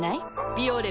「ビオレ」